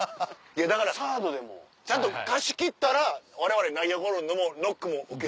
だからちゃんと貸し切ったらわれわれ内野ゴロのもノックも受けれる。